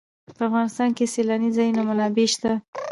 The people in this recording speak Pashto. په افغانستان کې د سیلانی ځایونه منابع شته.